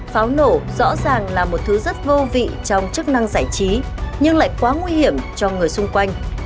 pháo nổ rõ ràng là một thứ rất vô vị trong chức năng giải trí nhưng lại quá nguy hiểm cho người xung quanh